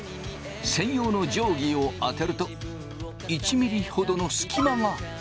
専用の定規を当てると１ミリほどの隙間が！